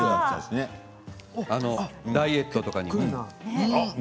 ダイエットとかにも。